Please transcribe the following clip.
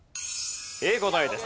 英語の「英」です。